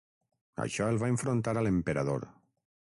Això el va enfrontar a l'Emperador.